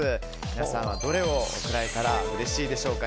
皆さんはどれを贈られたらうれしいでしょうか。